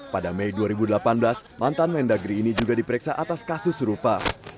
pada mei dua ribu delapan belas mantan mendagri ini juga diperiksa atas kasus serupa